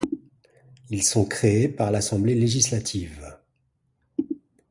Ils sont créés par l'assemblée législative.